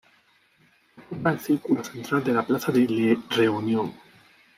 Ocupa el círculo central de la plaza de le Reunión.